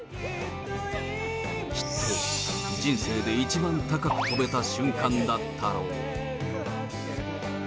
きっと人生で一番高く飛べた瞬間だったろう。